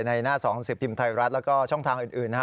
หน้าสองสิบพิมพ์ไทยรัฐแล้วก็ช่องทางอื่นนะฮะ